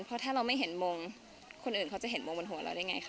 เพราะถ้าเราไม่เห็นมงคนอื่นเขาจะเห็นมงบนหัวเราได้ไงคะ